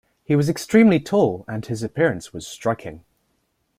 He was extremely tall and his appearance was striking.